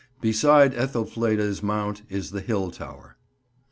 Beside Ethelfleda's Mount is the Hill Tower.